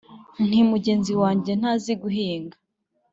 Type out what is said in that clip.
Nti "Mugenzi wanjye ntazi guhinga,